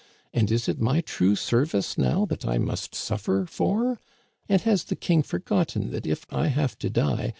And is it my true service now that I must suffer for? "* And has the king forgotten that if I have to die.